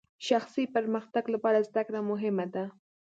شخصي پرمختګ لپاره زدهکړه مهمه ده.